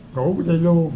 ngủ đi luôn